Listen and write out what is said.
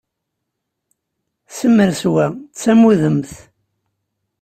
Semres wa d tamudemt!